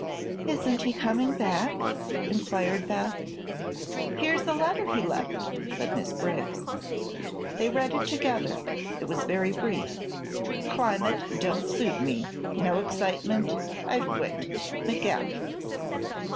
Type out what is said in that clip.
"Isn't he coming back?" inquired Beth. "Here's a letter he left," said Miss Briggs. They read it together. It was very brief; "Climate don't suit me. No excitement. I've quit. McGaffey."